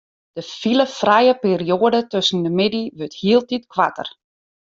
De filefrije perioade tusken de middei wurdt hieltyd koarter.